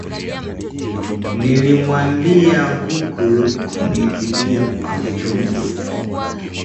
Nilimwambia huku nikilia kwa uchungu